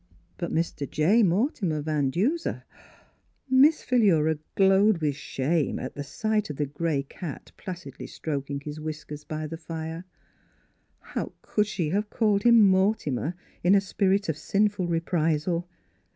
But Mr. J. Mortimer Van Duser! — Miss Philura glowed with shame at sight of the grey cat placidly stroking his whis kers by the fire. How could she have called him " Mortimer " in a spirit of sinful reprisal?